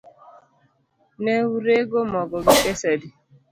Neurego mogo gi pesa adi